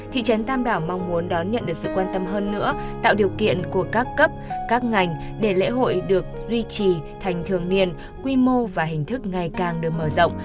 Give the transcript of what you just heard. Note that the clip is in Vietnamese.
thị trấn tam đảo mong muốn đón nhận được sự quan tâm hơn nữa tạo điều kiện của các cấp các ngành để lễ hội được duy trì thành thường niên quy mô và hình thức ngày càng được mở rộng